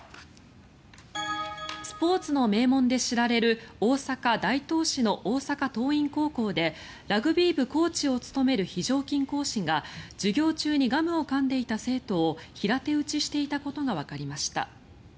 スポーツの名門で知られる大阪・大東市の大阪桐蔭高校でラグビー部コーチを務める非常勤講師が授業中にガムをかんでいた生徒を平手打ちしていたことがわかりました。